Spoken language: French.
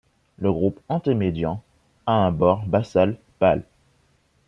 Le groupe antemedian a un bord basale pâle.